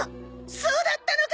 そうだったのか！